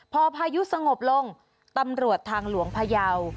พอพายุสงบลงตำรวจทางหลวงพยาว